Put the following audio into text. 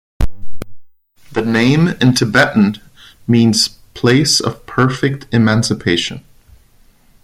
The name in Tibetan means "Place of Perfect Emancipation".